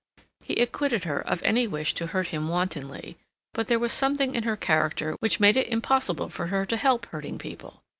He acquitted her of any wish to hurt him wantonly, but there was something in her character which made it impossible for her to help hurting people.